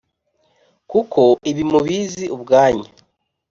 Kuko ibi mubizi ubwanyu